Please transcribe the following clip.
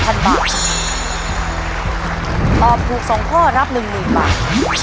ตอบถูก๒ข้อรับ๑๐๐๐บาท